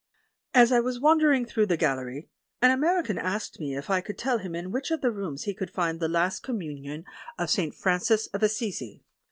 As I was wandering through the gallery, an American asked me if I could tell him in which of the rooms he would find "The Last Commun ion of St. Francis of Assisi."